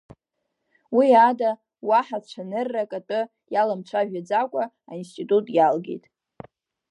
Уи ада уаҳа цәаныррак атәы иаламцәажәаӡакәа аинститут иалгеит.